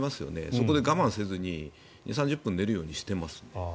そこで我慢せずに寝るようにしてます。